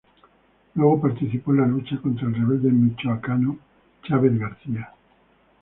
Luego participó en la lucha contra el rebelde michoacano Chávez García.